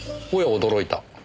おや驚いた。